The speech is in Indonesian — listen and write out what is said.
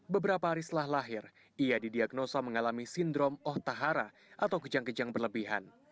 beberapa hari setelah lahir ia didiagnosa mengalami sindrom oh tahara atau kejang kejang berlebihan